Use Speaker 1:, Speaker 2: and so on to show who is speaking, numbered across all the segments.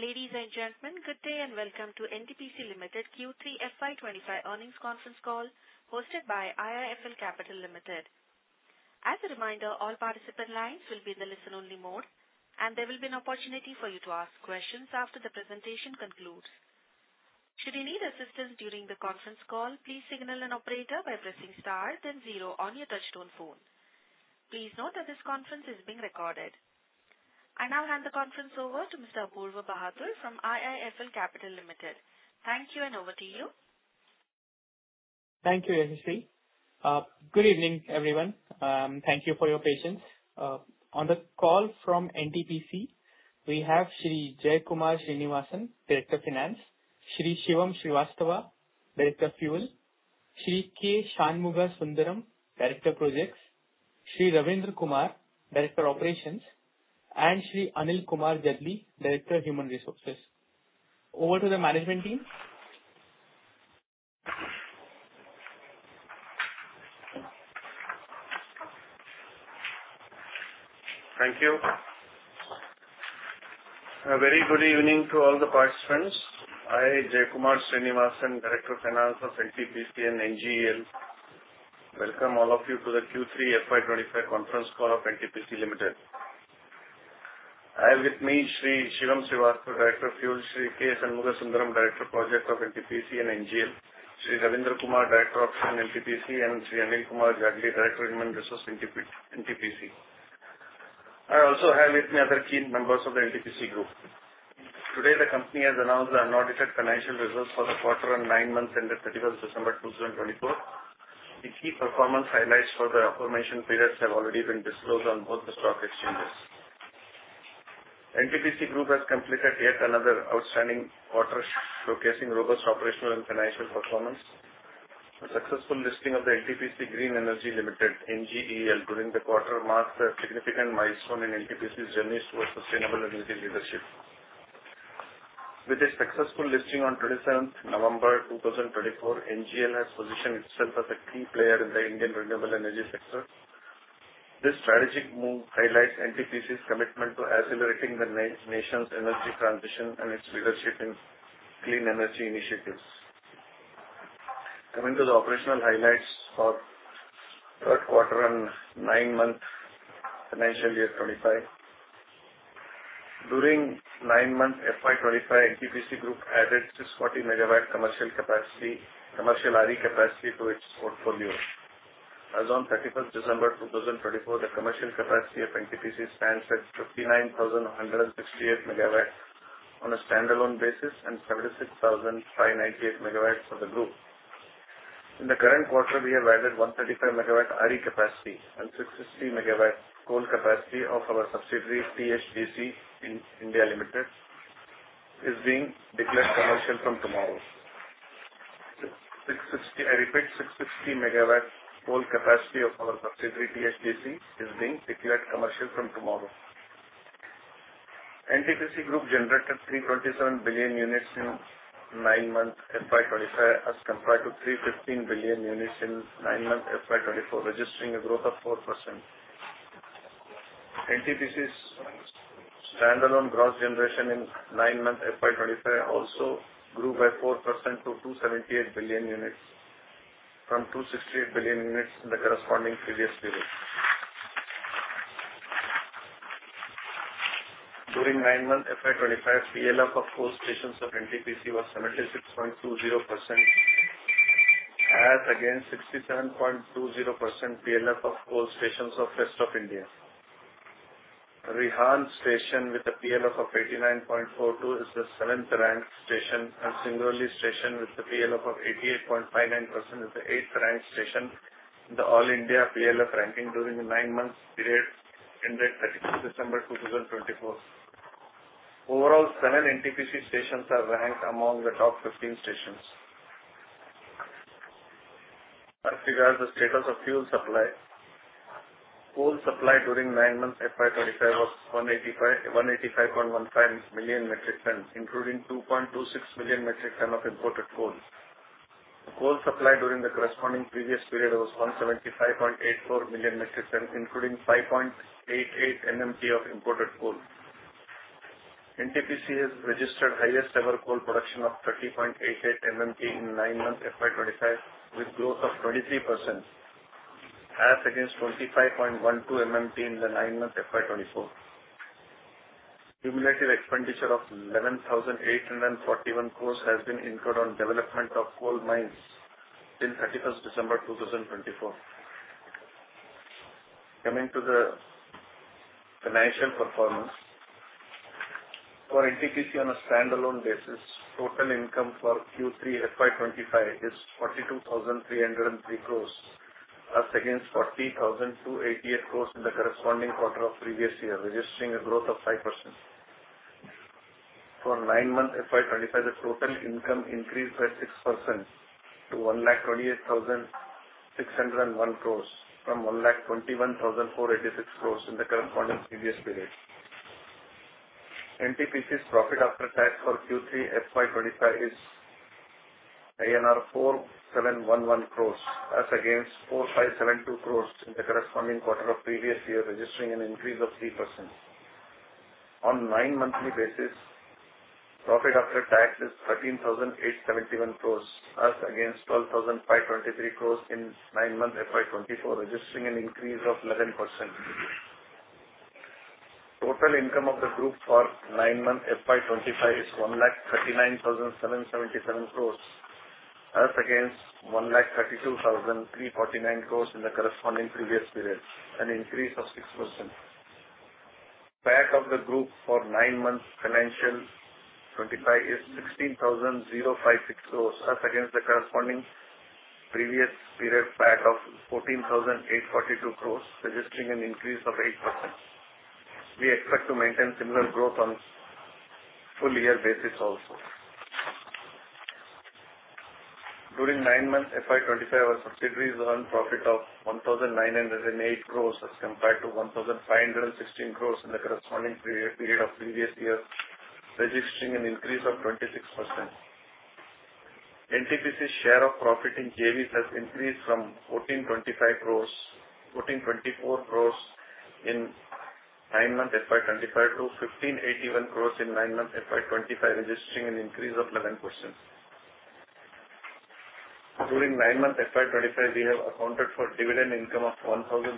Speaker 1: Ladies and gentlemen, good day and welcome to NTPC Limited Q3 FY25 earnings conference call, hosted by IIFL Capital Limited. As a reminder, all participant lines will be in the listen-only mode, and there will be an opportunity for you to ask questions after the presentation concludes. Should you need assistance during the conference call, please signal an operator by pressing star, then zero on your touch-tone phone. Please note that this conference is being recorded. I now hand the conference over to Mr. Apurva Bhattacharyya from IIFL Capital Limited. Thank you, and over to you.
Speaker 2: Thank you, Rajashree. Good evening, everyone. Thank you for your patience. On the call from NTPC, we have Shri Jaikumar Srinivasan, Director Finance, Shri Shivam Srivastava, Director Fuel, Shri K. Shanmugha Sundaram, Director Projects, Shri Ravindra Kumar, Director Operations, and Shri Anil Kumar Jadli, Director Human Resources. Over to the management team.
Speaker 3: Thank you. A very good evening to all the participants. I'm Jaikumar Srinivasan, Director Finance of NTPC and NGEL. Welcome all of you to the Q3 FY25 conference call of NTPC Limited. I have with me Shri Shivam Srivastava, Director Fuel, Shri K. Shanmugha Sundaram, Director Projects of NTPC and NGEL, Shri Ravindra Kumar, Director Operations NTPC, and Shri Anil Kumar Jadli, Director Human Resources NTPC. I also have with me other key members of the NTPC Group. Today, the company has announced the unaudited financial results for the quarter and nine months ended 31st December 2024. The key performance highlights for the aforementioned periods have already been disclosed on both the stock exchanges. NTPC Group has completed yet another outstanding quarter, showcasing robust operational and financial performance. The successful listing of the NTPC Green Energy Limited, NGEL, during the quarter marks a significant milestone in NTPC's journey towards sustainable energy leadership. With its successful listing on 27th November 2024, NGEL has positioned itself as a key player in the Indian renewable energy sector. This strategic move highlights NTPC's commitment to accelerating the nation's energy transition and its leadership in clean energy initiatives. Coming to the operational highlights for third quarter and nine-month financial year 2025. During nine months FY25, NTPC Group added 640 MW commercial RE capacity to its portfolio. As of 31st December 2024, the commercial capacity of NTPC stands at 59,168 MW on a standalone basis and 76,598 MW for the group. In the current quarter, we have added 135 MW RE capacity and 660 MW coal capacity of our subsidiary THDC India Limited, which is being declared commercial from tomorrow. I repeat, 660 MW coal capacity of our subsidiary THDC is being declared commercial from tomorrow. NTPC Group generated 327 billion units in nine months FY25, as compared to 315 billion units in nine months FY24, registering a growth of 4%. NTPC's standalone gross generation in nine months FY25 also grew by 4% to 278 billion units, from 268 billion units in the corresponding previous period. During nine months FY25, PLF of coal stations of NTPC was 76.20%, as against 67.20% PLF of coal stations of rest of India. Rihand Station, with a PLF of 89.42, is the seventh-ranked station, and Singrauli Station, with a PLF of 88.59%, is the eighth-ranked station in the All India PLF ranking during the nine-month period ended 31st December 2024. Overall, seven NTPC stations are ranked among the top 15 stations. As regards the status of fuel supply, coal supply during nine months FY25 was 185.15 million metric tons, including 2.26 million metric tons of imported coal. Coal supply during the corresponding previous period was 175.84 million metric tons, including 5.88 MMT of imported coal. NTPC has registered highest-ever coal production of 30.88 MMT in nine months FY25, with growth of 23%, as against 25.12 MMT in the nine-month FY24. Cumulative expenditure of 11,841 crores has been incurred on development of coal mines since 31st December 2024. Coming to the financial performance, for NTPC on a standalone basis, total income for Q3 FY25 is 42,303 crores, as against 40,288 crores in the corresponding quarter of previous year, registering a growth of 5%. For nine months FY25, the total income increased by 6% to 128,601 crores, from 121,486 crores in the corresponding previous period. NTPC's profit after tax for Q3 FY25 is INR 4,711 crores, as against 4,572 crores in the corresponding quarter of previous year, registering an increase of 3%. On nine-monthly basis, profit after tax is 13,871 crores, as against 12,523 crores in nine-month FY24, registering an increase of 11%. Total income of the group for nine-month FY25 is 139,777 crores, as against 132,349 crores in the corresponding previous period, an increase of 6%. EBITDA of the group for nine months FY25 is 16,056 crores, as against the corresponding previous period EBITDA of 14,842 crores, registering an increase of 8%. We expect to maintain similar growth on full-year basis also. During nine months FY25, our subsidiaries earned profit of 1,908 crores, as compared to 1,516 crores in the corresponding period of previous year, registering an increase of 26%. NTPC's share of profit in JVs has increased from 1,425 crores in nine months FY25 to 1,581 crores in nine months FY25, registering an increase of 11%. During nine months FY25, we have accounted for dividend income of 1,309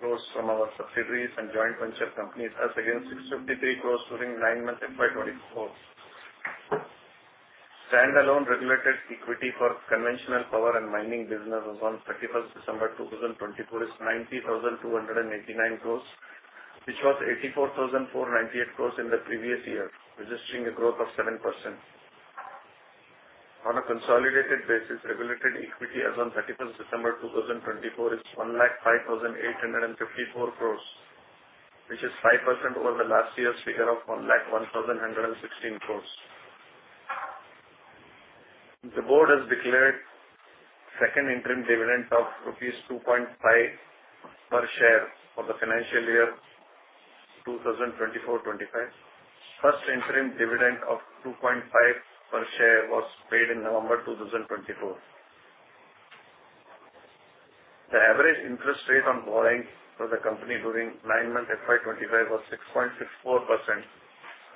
Speaker 3: crores from our subsidiaries and joint venture companies, as against 653 crores during nine months FY24. Standalone regulated equity for conventional power and mining businesses on 31st December 2024 is 90,289 crores, which was 84,498 crores in the previous year, registering a growth of 7%. On a consolidated basis, regulated equity as of 31st December 2024 is 105,854 crores, which is 5% over the last year's figure of 101,116 crores. The board has declared second interim dividend of rupees 2.5 per share for the financial year 2024-25. First interim dividend of 2.5 per share was paid in November 2024. The average interest rate on borrowing for the company during nine months FY25 was 6.64%,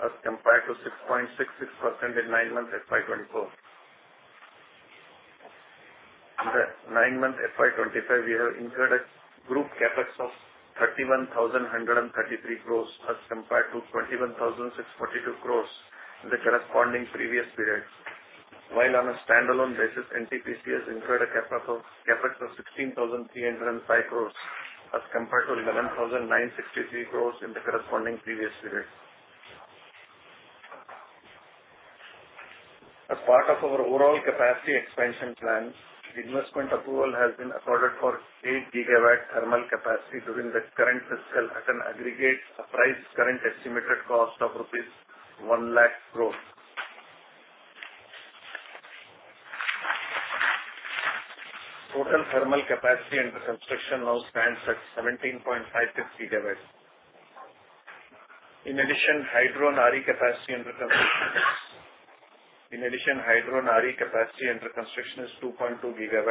Speaker 3: as compared to 6.66% in nine months FY24. In the nine-month FY25, we have incurred a group CapEx of 31,133 crores, as compared to 21,642 crores in the corresponding previous period. While on a standalone basis, NTPC has incurred a CapEx of 16,305 crores, as compared to 11,963 crores in the corresponding previous period. As part of our overall capacity expansion plan, the investment approval has been accorded for 8 GW thermal capacity during the current fiscal year in aggregate, at an approximate current estimated cost of 1 Lakh crores. Total thermal capacity under construction now stands at 17.56 GW. In addition, hydro and RE capacity under construction is 2.2 GW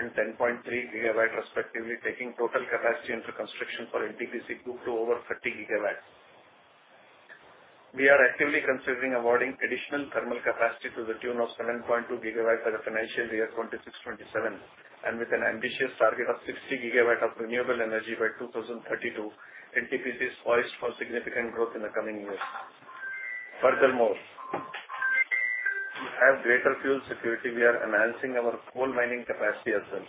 Speaker 3: and 10.3 GW, respectively, taking total capacity under construction for NTPC group to over 30 GW. We are actively considering awarding additional thermal capacity to the tune of 7.2 GW by the financial year 26-27, and with an ambitious target of 60 GW of renewable energy by 2032, NTPC is poised for significant growth in the coming years. Furthermore, to have greater fuel security, we are enhancing our coal mining capacity as well.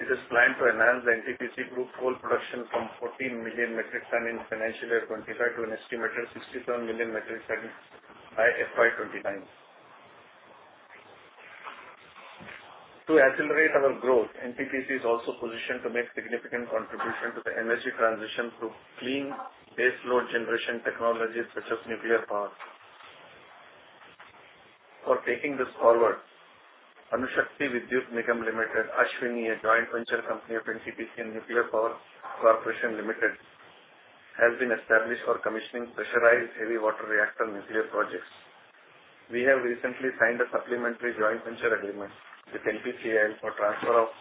Speaker 3: It is planned to enhance the NTPC group coal production from 14 million metric tons in financial year 25 to an estimated 67 million metric tons by FY25. To accelerate our growth, NTPC is also positioned to make significant contributions to the energy transition through clean baseload generation technologies such as nuclear power. For taking this forward, Anushakti Vidyut Nigam Limited, ASHVINI, a joint venture company of NTPC and Nuclear Power Corporation of India Limited, has been established for commissioning pressurized heavy water reactor nuclear projects. We have recently signed a supplementary joint venture agreement with NPCIL for transfer of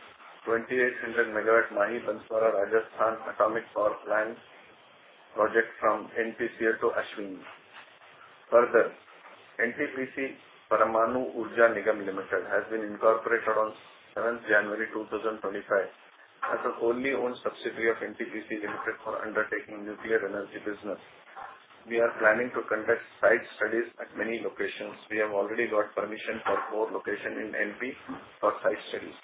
Speaker 3: 2,800 MW Mahi Banswara, Rajasthan Atomic Power Plant project from NPCIL to ASHVINI. Further, NTPC Parmanu Urja Nigam Limited has been incorporated on 7th January 2025 as the wholly owned subsidiary of NTPC Limited for undertaking nuclear energy business. We are planning to conduct site studies at many locations. We have already got permission for four locations in NP for site studies.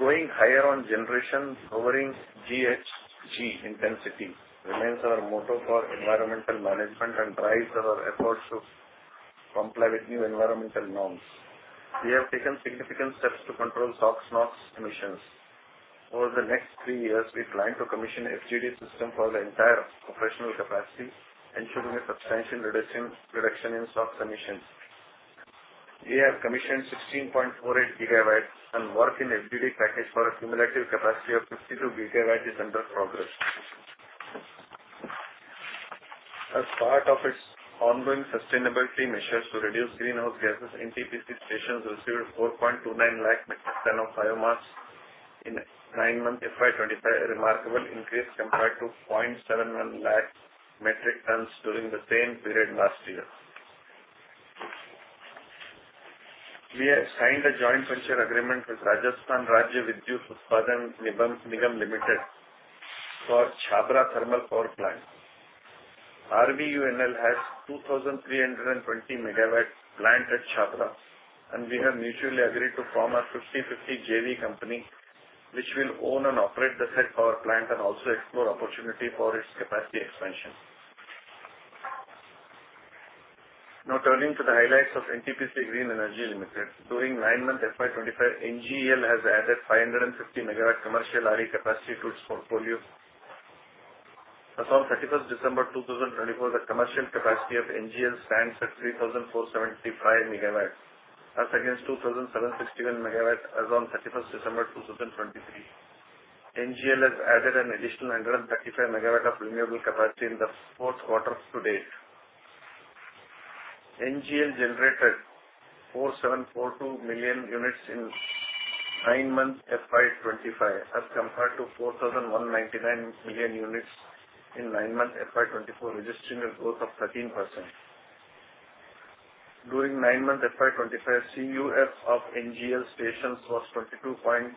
Speaker 3: Going higher on generation, lowering GHG intensity remains our motto for environmental management and drives our efforts to comply with new environmental norms. We have taken significant steps to control SOx NOx emissions. Over the next three years, we plan to commission FGD system for the entire operational capacity, ensuring a substantial reduction in SOx emissions. We have commissioned 16.48 GW, and work in FGD package for a cumulative capacity of 52 GW is under progress. As part of its ongoing sustainability measures to reduce greenhouse gases, NTPC stations received 4.29 lakh metric tons of biomass in nine months FY25, a remarkable increase compared to 0.71 lakh metric tons during the same period last year. We have signed a joint venture agreement with Rajasthan Rajya Vidyut Utpadan Nigam Limited for Chhabra Thermal Power Plant. RVUNL has 2,320 MW plant at Chhabra, and we have mutually agreed to form a 50-50 JV company, which will own and operate the said power plant and also explore opportunity for its capacity expansion. Now turning to the highlights of NTPC Green Energy Limited, during nine months FY25, NGEL has added 550 MW commercial RE capacity to its portfolio. As of 31st December 2024, the commercial capacity of NGEL stands at 3,475 MW, as against 2,761 MW as of 31st December 2023. NGEL has added an additional 135 MW of renewable capacity in the fourth quarter to date. NGEL generated 4,742 million units in nine months FY25, as compared to 4,199 million units in nine months FY24, registering a growth of 13%. During nine months FY25, CUF of NGEL stations was 22.99%,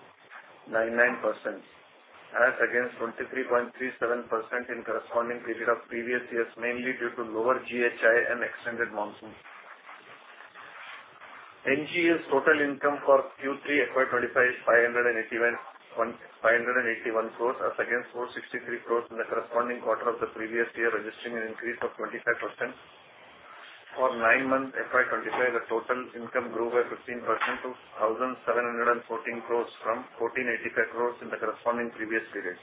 Speaker 3: as against 23.37% in corresponding period of previous years, mainly due to lower GHI and extended monsoon. NGEL's total income for Q3 FY25 is 581 crores, as against 463 crores in the corresponding quarter of the previous year, registering an increase of 25%. For nine months FY25, the total income grew by 15% to 1,714 crores, from 1,485 crores in the corresponding previous period.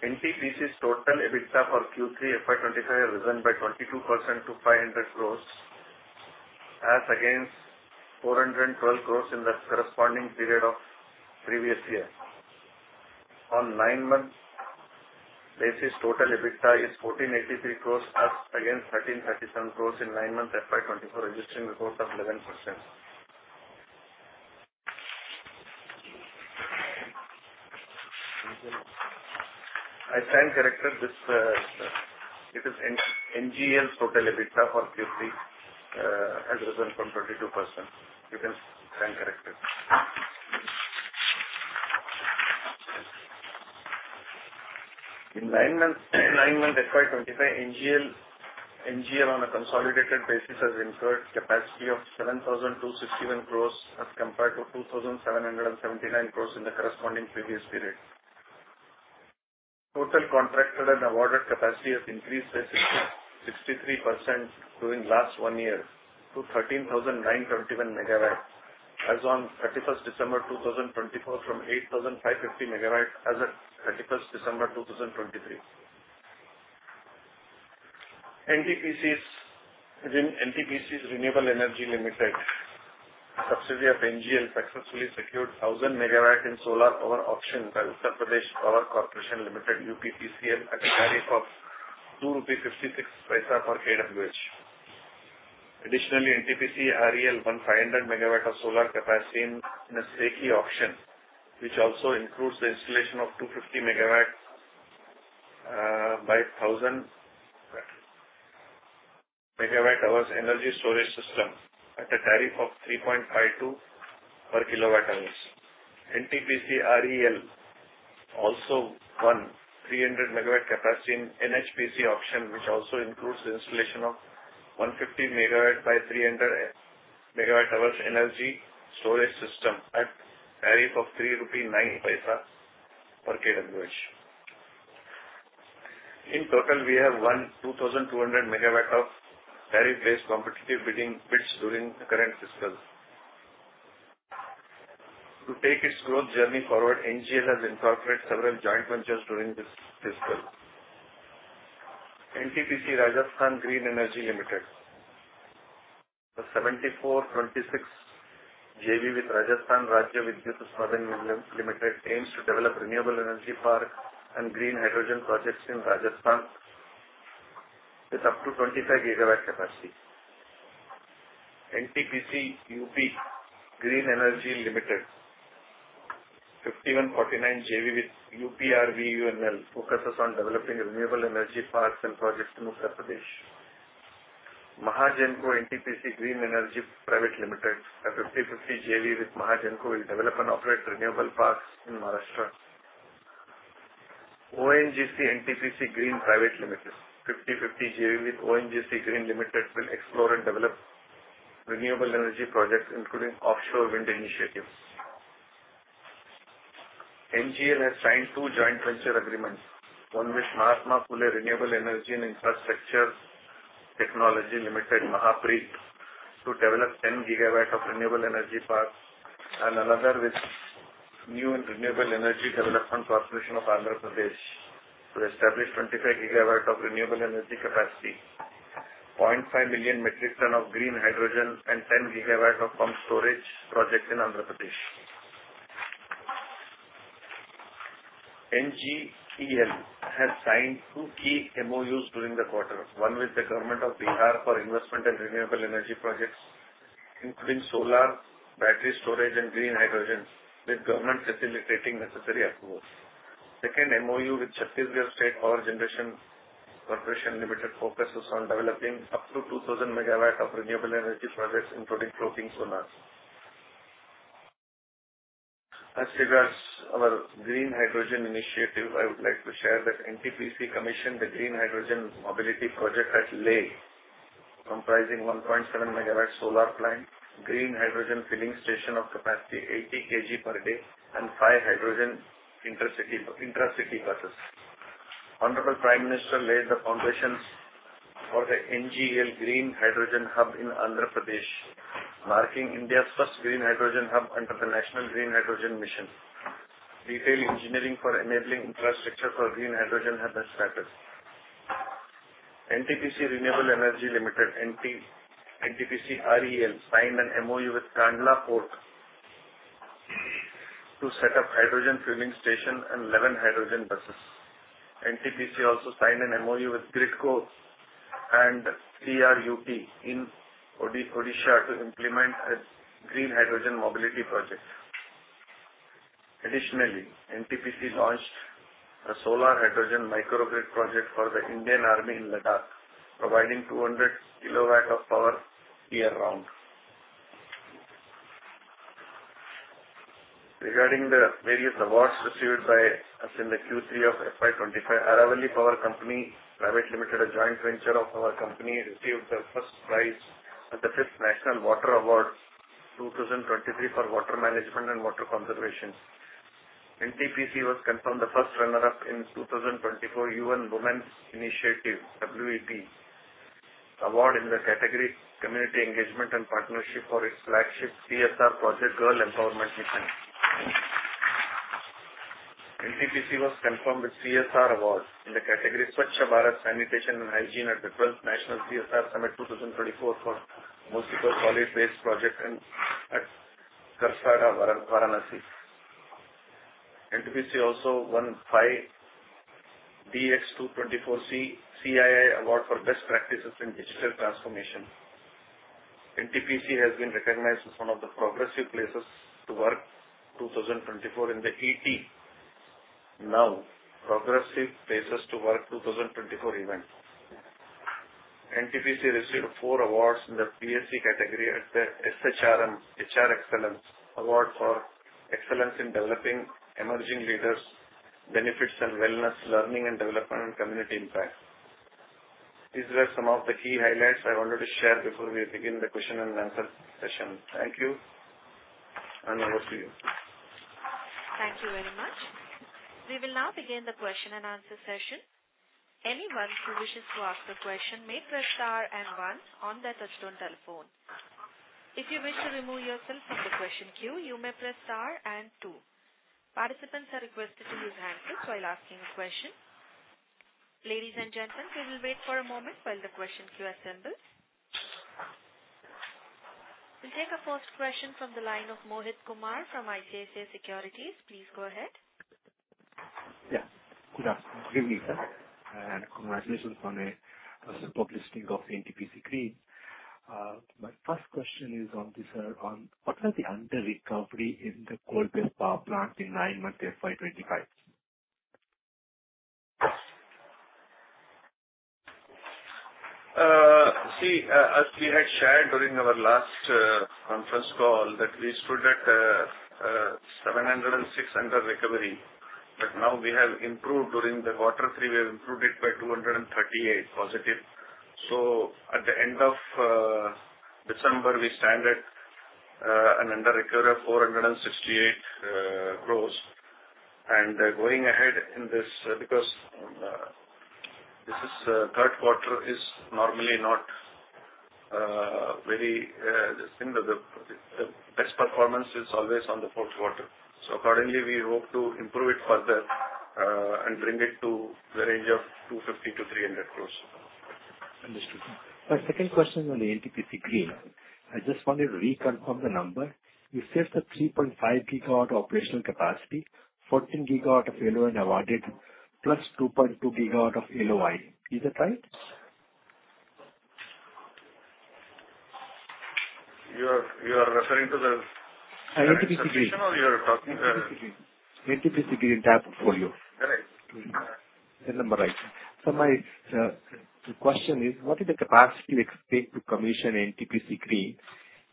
Speaker 3: NTPC's total EBITDA for Q3 FY25 has risen by 22% to 500 crores, as against 412 crores in the corresponding period of previous year. On nine-month basis, total EBITDA is 1,483 crores, as against 1,337 crores in nine months FY24, registering a growth of 11%. I stand corrected this. It is NGEL's total EBITDA for Q3 has risen from 22%. You can stand corrected. In nine months FY25, NGEL on a consolidated basis has incurred capex of 7,261 crores, as compared to 2,779 crores in the corresponding previous period. Total contracted and awarded capacity has increased by 63% during last one year to 13,921 MW, as on 31st December 2024, from 8,550 MW as of 31st December 2023. NTPC Renewable Energy Limited, subsidiary of NGEL, successfully secured 1,000 MW in solar power auction by Uttar Pradesh Power Corporation Limited, UPPCL, at a tariff of ₹2.56 per kWh. Additionally, NTPC REL won 500 MW of solar capacity in a SECI auction, which also includes the installation of 250 MW by 1,000 MWh energy storage system at a tariff of 3.52 per kWh. NTPC REL also won 300 MW capacity in NHPC auction, which also includes the installation of 150 MW by 300 MWh energy storage system at a tariff of 3.90 rupee per kWh. In total, we have won 2,200 MW of tariff-based competitive bids during the current fiscal. To take its growth journey forward, NGEL has incorporated several joint ventures during this fiscal. NTPC Rajasthan Green Energy Limited, the 74:26 JV with Rajasthan Rajya Vidyut Utpadan Nigam Limited, aims to develop renewable energy park and green hydrogen projects in Rajasthan with up to 25 GW capacity. NTPC UP Green Energy Limited, 51:49 JV with UPRVUNL, focuses on developing renewable energy parks and projects in Uttar Pradesh. Mahagenco NTPC Green Energy Private Limited, a 50-50 JV with Mahagenco, will develop and operate renewable parks in Maharashtra. ONGC NTPC Green Private Limited, 50-50 JV with ONGC Green Limited, will explore and develop renewable energy projects, including offshore wind initiatives. NGEL has signed two joint venture agreements, one with Mahatma Phule Renewable Energy and Infrastructure Technology Limited, MAHAPREIT, to develop 10 GW of renewable energy parks, and another with New Renewable Energy Development Corporation of Andhra Pradesh to establish 25 GW of renewable energy capacity, 0.5 million metric tons of green hydrogen, and 10 GW of pumped storage project in Andhra Pradesh. NGEL has signed two key MoUs during the quarter, one with the Government of Bihar for investment and renewable energy projects, including solar battery storage and green hydrogen, with the government facilitating necessary approvals. Second MoU with Chhattisgarh State Power Generation Corporation Limited focuses on developing up to 2,000 MW of renewable energy projects, including floating solar. As regards our green hydrogen initiative, I would like to share that NTPC commissioned the Green Hydrogen Mobility Project at Leh, comprising 1.7 MW solar plant, green hydrogen filling station of capacity 80 kg per day, and five hydrogen intra-city buses. Honorable Prime Minister laid the foundations for the NGEL Green Hydrogen Hub in Andhra Pradesh, marking India's first green hydrogen hub under the National Green Hydrogen Mission. Detailed engineering for enabling infrastructure for Green Hydrogen Hub has started. NTPC Renewable Energy Limited, NTPC REL, signed an MoU with Kandla Port to set up hydrogen filling station and 11 hydrogen buses. NTPC also signed an MoU with GRIDCO and CRUT in Odisha to implement a green hydrogen mobility project. Additionally, NTPC launched a solar hydrogen microgrid project for the Indian Army in Ladakh, providing 200 kilowatt of power year-round. Regarding the various awards received by us in the Q3 of FY25, Aravalli Power Company Private Limited, a joint venture of our company, received the first prize at the 5th National Water Awards 2023 for water management and water conservation. NTPC was confirmed the first runner-up in 2 024 UN Women's Initiative (WEP) award in the category Community Engagement and Partnership for its flagship CSR project, Girl Empowerment Mission. NTPC was confirmed with CSR award in the category Swachh Bharat Sanitation and Hygiene at the 12th National CSR Summit 2024 for municipal solid waste project at Karsara, Varanasi. NTPC also won CII DX 2024 CII award for best practices in digital transformation. NTPC has been recognized as one of the progressive places to work 2024 in the ET Now Progressive Places to Work 2024 event. NTPC received four awards in the PSE category at the SHRM HR Excellence Award for Excellence in Developing Emerging Leaders, Benefits and Wellness, Learning and Development, and Community Impact. These were some of the key highlights I wanted to share before we begin the question and answer session. Thank you, and over to you.
Speaker 1: Thank you very much. We will now begin the question and answer session. Anyone who wishes to ask a question may press star and one on their touch-tone telephone. If you wish to remove yourself from the question queue, you may press star and two. Participants are requested to use handsets while asking a question. Ladies and gentlemen, we will wait for a moment while the question queue assembles. We'll take a first question from the line of Mohit Kumar from ICICI Securities. Please go ahead.
Speaker 4: Yeah. Good afternoon, Gurdeep. And congratulations on the publicity of NTPC Green. My first question is on what was the under-recovery in the coal-based power plant in nine months FY25?
Speaker 3: See, as we had shared during our last conference call, that we stood at 700 and 600 recovery. But now we have improved during the quarter three. We have improved it by 238 positive. So at the end of December, we stand at an under-recovery of 468 crores. And going ahead in this, because this third quarter is normally not the very best, performance is always on the fourth quarter. So accordingly, we hope to improve it further and bring it to the range of 250-300 crores.
Speaker 4: Understood. My second question on the NTPC Green. I just wanted to reconfirm the number. You said the 3.5 GW operational capacity, 14 GW of LO and awarded, plus 2.2 GW of LOI. Is that right?
Speaker 3: You are referring to the NTPC Green? NTPC Green type portfolio.
Speaker 4: Correct. The number right. So my question is, what is the capacity expected to commission NTPC Green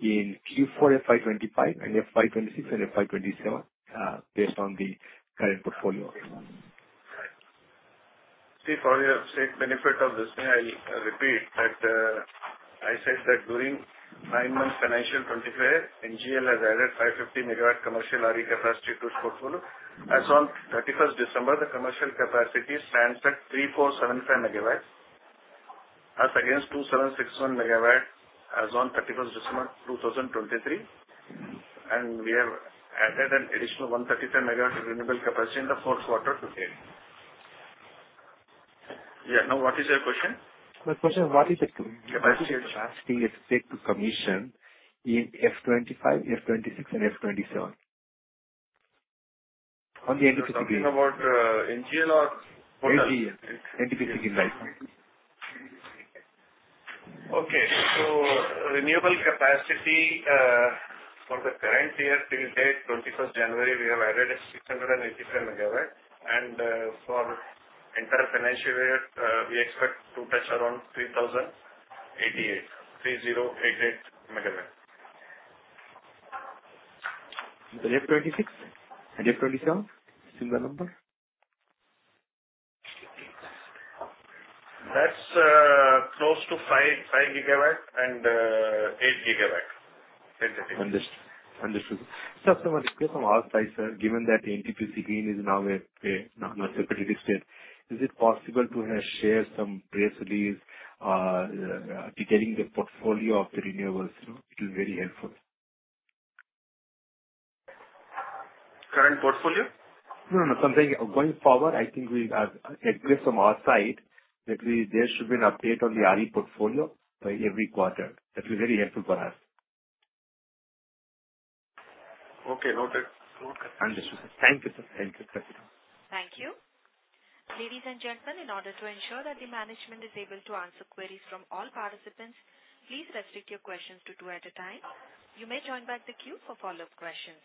Speaker 4: in Q4 FY25 and FY26 and FY27 based on the current portfolio?
Speaker 3: See, for the sake of this thing, I'll repeat that I said that during nine months FY25, NGEL has added 550 MW commercial RE capacity to its portfolio. As of 31st December, the commercial capacity stands at 3,475 MW, as against 2,761 MW as of 31st December 2023. And we have added an additional 135 MW renewable capacity in the fourth quarter to date. Yeah. Now, what is your question?
Speaker 4: My question is, what is the capacity expected to commission in F25, F26, and F27? On the NTPC Green. You're talking about NGEL or NTPC Green?
Speaker 3: Okay. So renewable capacity for the current year, till date, 21st January, we have added 685 MW. And for entire financial year, we expect to touch around 3,088 MW.
Speaker 4: The F26 and F27, similar number?
Speaker 3: That's close to 5 GW and 8 GW.
Speaker 4: Understood. Understood. Sir, someone requests from outside, sir, given that NTPC Green is now not separately listed, is it possible to share some press release detailing the portfolio of the renewables? It will be very helpful.
Speaker 3: Current portfolio?
Speaker 4: No, no. Something going forward, I think we have requests from outside that there should be an update on the RE portfolio by every quarter. That will be very helpful for us.
Speaker 3: Okay. Noted. Understood.
Speaker 4: Thank you, sir. Thank you.
Speaker 1: Thank you. Thank you. Ladies and gentlemen, in order to ensure that the management is able to answer queries from all participants, please restrict your questions to two at a time. You may join back the queue for follow-up questions.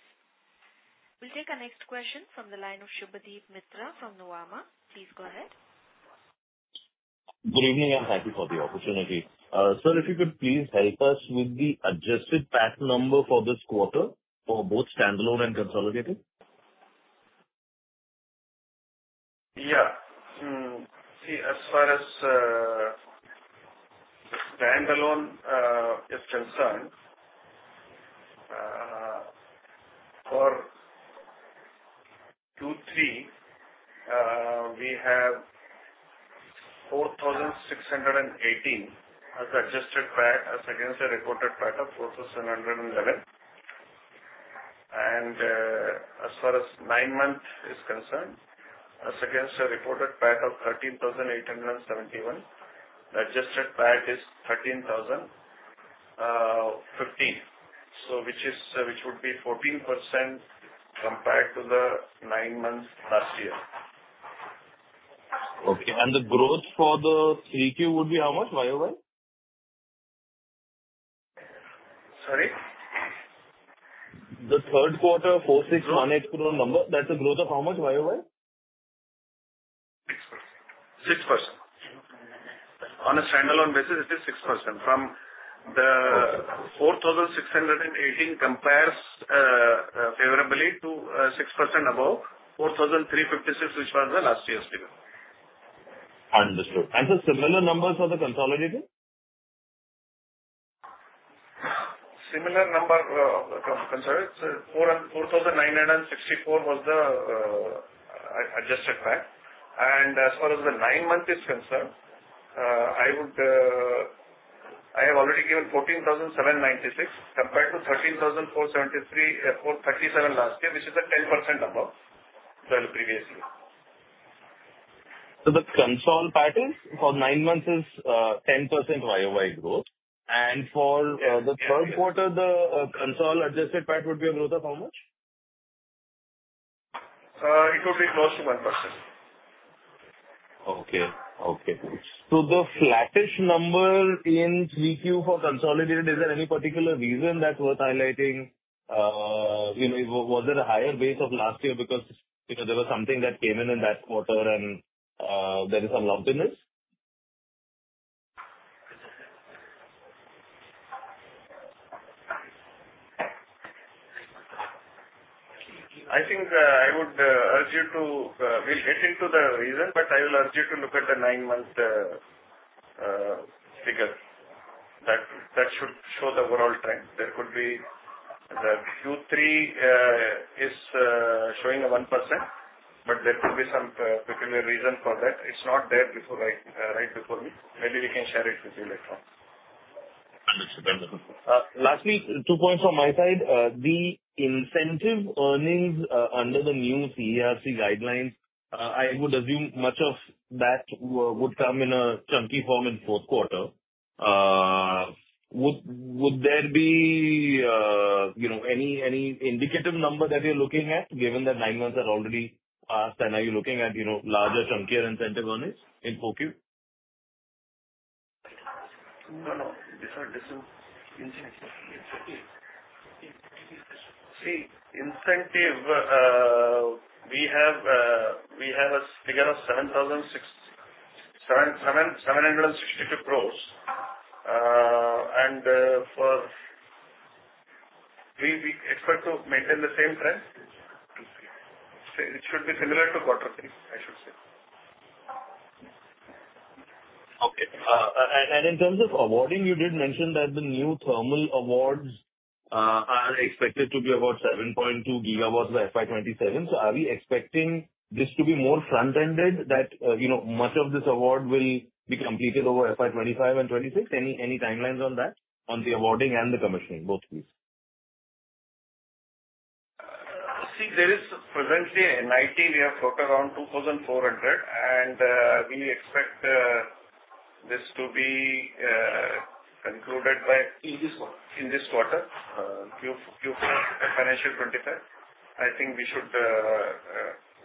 Speaker 1: We'll take our next question from the line of Shubhadeep Mitra from Nuvama. Please go ahead.
Speaker 5: Good evening, and thank you for the opportunity. Sir, if you could please help us with the adjusted PAT number for this quarter for both standalone and consolidated?
Speaker 3: Yeah. See, as far as standalone is concerned, for Q3, we have 4,618 as adjusted PAT, as against a reported PAT of 4,711. And as far as nine months is concerned, as against a reported PAT of 13,871, the adjusted PAT is 13,050, which would be 14% compared to the nine months last year.
Speaker 5: Okay. And the growth for the three Q would be how much? YOY?
Speaker 3: Sorry?
Speaker 5: The third quarter, 4,618 crore number, that's a growth of how much? YOY?
Speaker 3: 6%. 6%. On a standalone basis, it is 6%. The 4,618 compares favorably to 6% above 4,356, which was the last year's figure.
Speaker 5: Understood. And the similar numbers for the consolidated?
Speaker 3: Similar number, 4,964 was the adjusted PAT. And as far as the nine months is concerned, I have already given 14,796 compared to 13,473, 37 last year, which is a 10% above the previous year.
Speaker 5: So the consol PAT is for nine months is 10% YOY growth. And for the third quarter, the consol adjusted PAT would be a growth of how much?
Speaker 3: It would be close to 1%.
Speaker 5: Okay. Okay. So the flattish number in three Q for consolidated, is there any particular reason that's worth highlighting? Was there a higher base of last year because there was something that came in in that quarter and there is some lumpiness?
Speaker 3: I think I would urge you to we'll get into the reason, but I will urge you to look at the nine-month figure. That should show the overall trend. There could be. The Q3 is showing a 1%, but there could be some peculiar reason for that. It's not there right before me. Maybe we can share it with you later on.
Speaker 5: Understood. Understood. Lastly, two points from my side. The incentive earnings under the new CERC guidelines, I would assume much of that would come in a chunky form in fourth quarter. Would there be any indicative number that you're looking at, given that nine months are already past, and are you looking at larger chunkier incentive earnings in four Q?
Speaker 3: No, no. This is incentive. See, incentive, we have a figure of 762 crores, and we expect to maintain the same trend. It should be similar to quarter three, I should say.
Speaker 5: Okay. And in terms of awarding, you did mention that the new thermal awards are expected to be about 7.2 GW by FY 2027. So are we expecting this to be more front-ended, that much of this award will be completed over FY 2025 and 2026? Any timelines on that, on the awarding and the commissioning, both of these?
Speaker 3: See, there is presently an ITT, we have brought around 2,400, and we expect this to be concluded in this quarter, Q4 FY 2025. I think we should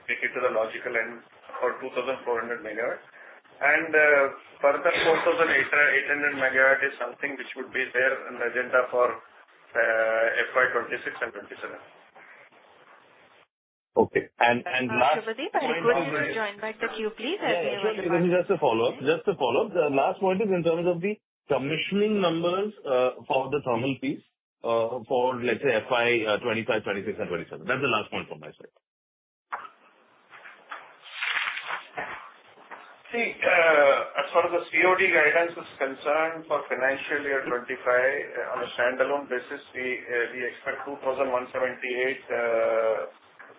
Speaker 3: take it to the logical end for 2,400 MW. And further, 4,800 MW is something which would be there in the agenda for FY 2026 and 2027.
Speaker 5: Okay. Last point is.
Speaker 1: And Shubhadeep, I would join back the queue, please.
Speaker 5: Just a follow-up. Just a follow-up. The last point is in terms of the commissioning numbers for the thermal piece for, let's say, FY25, 2026, and 2027. That's the last point from my side.
Speaker 3: See, as far as the COD guidelines is concerned for financial year 2025, on a standalone basis, we expect 2,178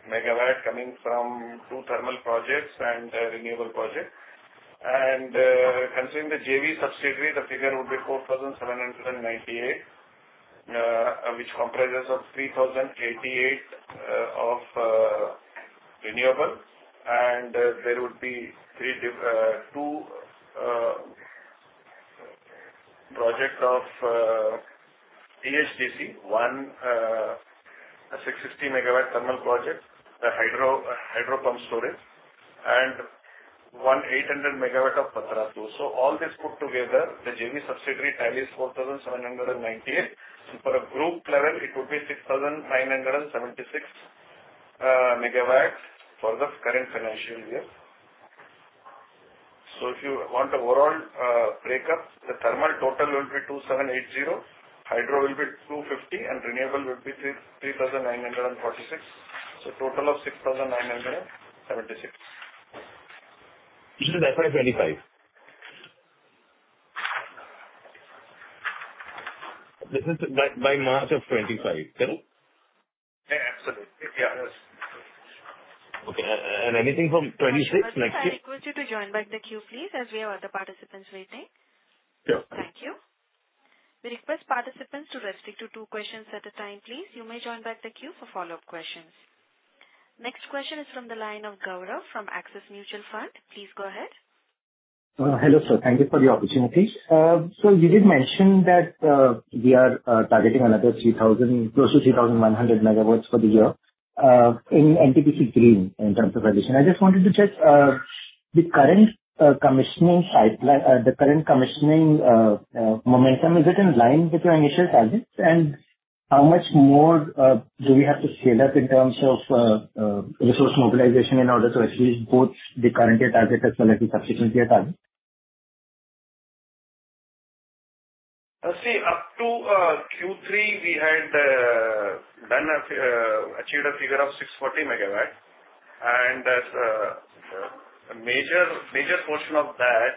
Speaker 3: MW coming from two thermal projects and renewable projects. And considering the JV subsidiary, the figure would be 4,798, which comprises of 3,088 of renewable. And there would be two projects of THDC, one 660 MW thermal project, the hydro pump storage, and one 800 MW of Barh-II. So all this put together, the JV subsidiary tally is 4,798. And for a group level, it would be 6,976 MW for the current financial year. So if you want to overall break up, the thermal total will be 2,780, hydro will be 250, and renewable will be 3,946. So total of 6,976. This is FY25.
Speaker 5: This is by March of 2025, correct?
Speaker 3: Yeah, absolutely. Yeah.
Speaker 5: Okay. And anything from 2026 next year?
Speaker 1: I would like to ask you to join back the queue, please, as we have other participants waiting.
Speaker 5: Sure.
Speaker 1: Thank you. We request participants to restrict to two questions at a time, please. You may join back the queue for follow-up questions. Next question is from the line of Gautam from Axis Mutual Fund. Please go ahead.
Speaker 6: Hello, sir. Thank you for the opportunity. So you did mention that we are targeting another close to 3,100 MW for the year in NTPC Green in terms of addition. I just wanted to check the current commissioning pipeline, the current commissioning momentum, is it in line with your initial targets? And how much more do we have to scale up in terms of resource mobilization in order to achieve both the current year target as well as the subsequent year target?
Speaker 3: See, up to Q3, we had achieved a figure of 640 MW, and a major portion of that,